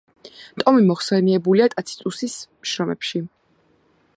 ტომი მოხსენებულია ტაციტუსის შრომებში.